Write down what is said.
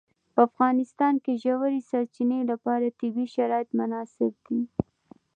په افغانستان کې د ژورې سرچینې لپاره طبیعي شرایط مناسب دي.